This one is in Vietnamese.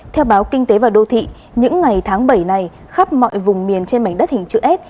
theo báo kinh tế và đô thị những ngày tháng bảy này khắp mọi vùng miền trên mảnh đất hình chữ s